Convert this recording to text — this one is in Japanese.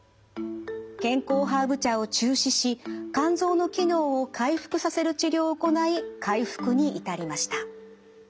健康ハーブ茶を中止し肝臓の機能を回復させる治療を行い回復に至りました。